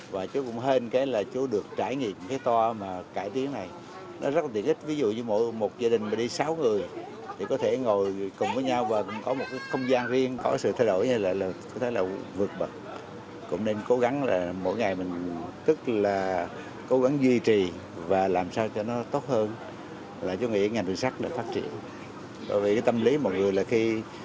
vì tâm lý mọi người là khi mà đi thì người ta cảm thấy thoải mái